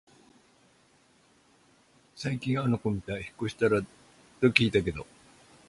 最近あの子みた？引っ越したって聞いたけど